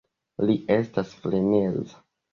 Li estas freneza